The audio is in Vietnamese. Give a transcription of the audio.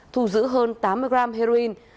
thu giữ hơn tám mươi gram heroin